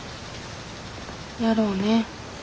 やろうね。